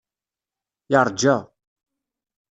Yeṛja.